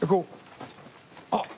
あっ！